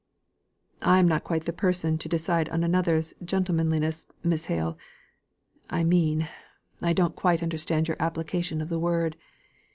"I am not quite the person to decide on another's gentlemanliness, Miss Hale. I mean, I don't quite understand your application of the word.